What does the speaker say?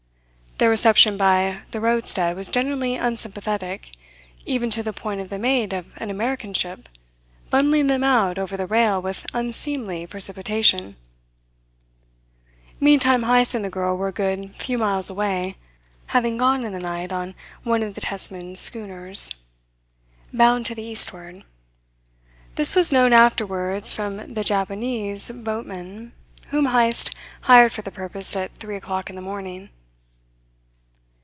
Their reception by the roadstead was generally unsympathetic, even to the point of the mate of an American ship bundling them out over the rail with unseemly precipitation. Meantime Heyst and the girl were a good few miles away, having gone in the night on board one of the Tesman schooners bound to the eastward. This was known afterwards from the Javanese boatmen whom Heyst hired for the purpose at three o'clock in the morning.